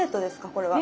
これは。